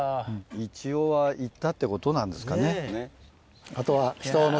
一応はいったってことなんですかね？